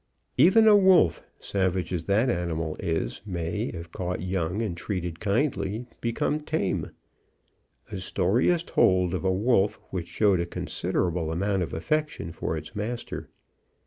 Even a wolf, savage as that animal is, may, if caught young, and treated kindly, become tame. A story is told of a wolf which showed a considerable amount of affection for its master.